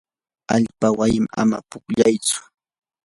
allpawan ama pukllaychu.